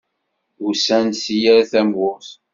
Usan-d si yal tamurt.